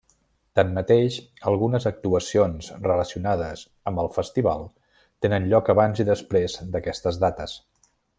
Tanmateix, algunes actuacions relacionades amb el festival tenen lloc abans i després d'aquestes dates.